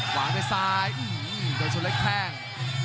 หวางด้วยซ้ายโอ้โหโดยชนเล็กแข่ง